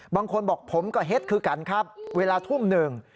บางคนบอกผมก็เฮ็ดคือกันครับเวลาทุ่มหนึ่ง